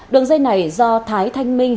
đường dây này do thái thanh minh